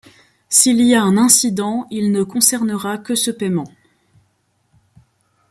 S'il y a un incident, il ne concernera que ce paiement.